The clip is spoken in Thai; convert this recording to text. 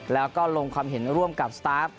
แล้วก็ลงความเห็นร่วมกับสตาฟ